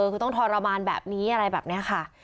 คือต้องทรมานแบบนี้อะไรแบบนี้ค่ะ